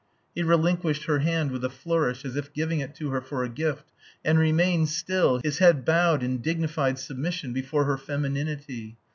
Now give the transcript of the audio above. He relinquished her hand with a flourish, as if giving it to her for a gift, and remained still, his head bowed in dignified submission before her femininity.